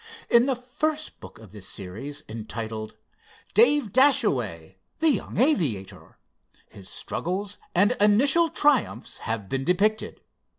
In the first book of this series, entitled "Dave Dashaway, The Young Aviator," his struggles and initial triumphs have been depicted.